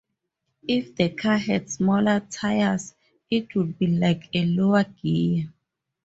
If the car had smaller tires, it would be like a lower gear.